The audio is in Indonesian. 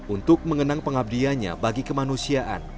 untuk mengenang pengabdianya bagi kemanusiaan